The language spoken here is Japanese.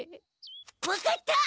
分かった！